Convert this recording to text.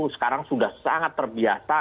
sekarang sudah sangat terbiasa